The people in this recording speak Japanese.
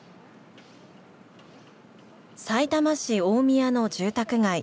さいたま市大宮の住宅街。